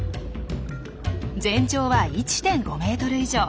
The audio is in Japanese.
全長は１．５ｍ以上。